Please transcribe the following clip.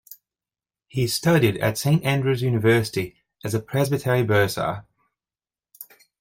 He studied at Saint Andrews University as a "presbytery bursar".